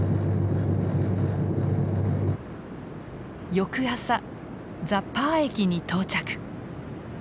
翌朝ザ・パー駅に到着。